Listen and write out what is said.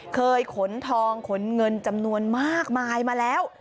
ขนทองขนเงินจำนวนมากมายมาแล้ว